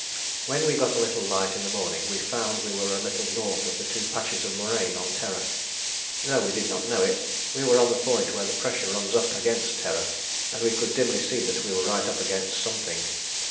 "When we got a little light in the morning we found we were a little north of the two patches of moraine on Terror. Though we did not know it, we were on the point where the pressure runs up against Terror, and we could dimly see that we were right up against something.